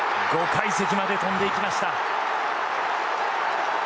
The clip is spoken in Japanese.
５階席まで飛んでいきました。